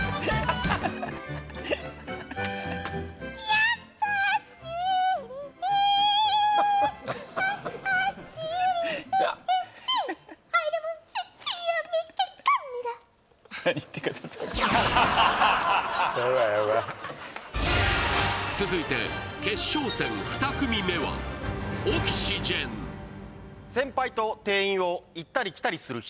やばいやばい続いて決勝戦２組目は「先輩と店員を行ったり来たりする人」